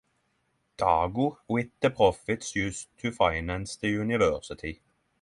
Dago with the profits used to finance the university.